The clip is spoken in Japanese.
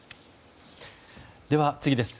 では、次です。